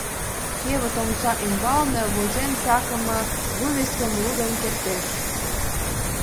Кевыт омса ӱмбалне возен сакыме вывескым лудын кертеш.